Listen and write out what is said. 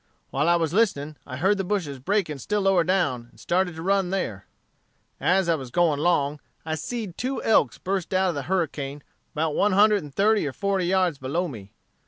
While I was listening, I heard the bushes breaking still lower down, and started to run there. "As I was going 'long, I seed two elks burst out of the Harricane 'bout one hundred and thirty or forty yards below me.